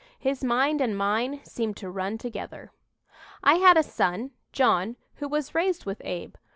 His mind and mine seemed to run together. "I had a son, John, who was raised with Abe.